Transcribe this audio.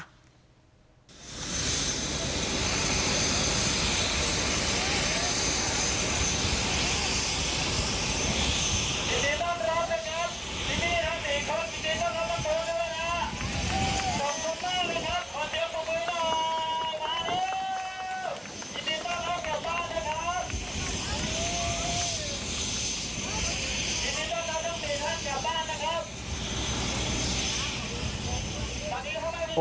เฮลีคอปเตอร์เฮลีคอปเตอร์เราต้องมีท่านเกี่ยวบ้านนะครับ